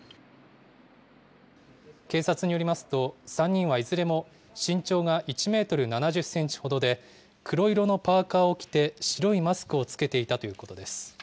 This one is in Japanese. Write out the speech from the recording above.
警察によりますと、３人はいずれも、身長が１メートル７０センチほどで、黒色のパーカーを着て、白いマスクを着けていたということです。